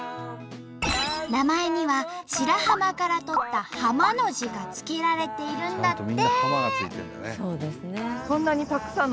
名前には白浜から取った「浜」の字が付けられているんだって。